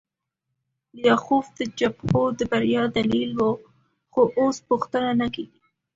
لیاخوف د جبهو د بریا دلیل و خو اوس پوښتنه نه کیږي